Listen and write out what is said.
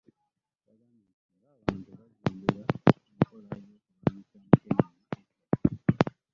Yagambye nti singa abantu bajjumbira ekola z'okulwanyisa Mukenenya essatu.